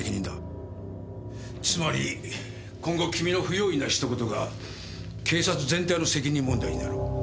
つまり今後君の不用意なひと言が警察全体の責任問題になる。